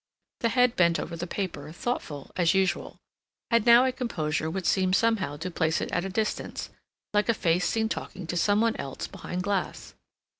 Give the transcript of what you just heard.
The head bent over the paper, thoughtful as usual, had now a composure which seemed somehow to place it at a distance, like a face seen talking to some one else behind glass.